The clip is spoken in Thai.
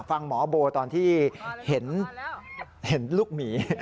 ฟังหมอโบตอนที่เห็นลูกหมี